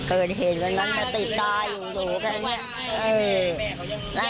คุยกันใจอยู่ในหวันได้อาจารย์จับได้สบายใจใช่ไหมคะจาย